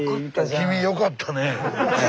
君よかったねえ。